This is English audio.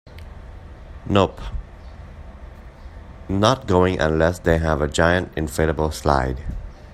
Nope, not going unless they have a giant inflatable slide.